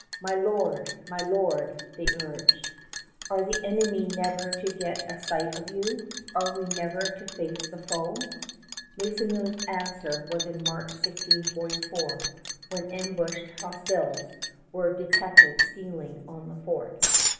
"My lord, my lord," they urged, "are the enemy never to get a sight of you? Are we never to face the foe?" Maisonneuve's answer was in March, 1644, when ambushed hostiles were detected stealing on the fort.